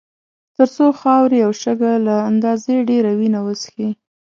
تر څو خاورې او شګه له اندازې ډېره وینه وڅښي.